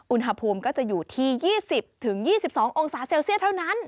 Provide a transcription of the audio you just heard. อุณหภูมิก็จะอยู่ที่๒๐๒๒องศาเซลเซียสเท่านั้น